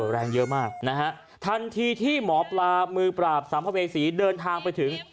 แรงเยอะมากนะฮะทันทีที่หมอปลามือปราบสัมภเวษีเดินทางไปถึง